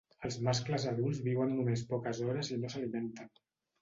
Els mascles adults viuen només poques hores i no s'alimenten.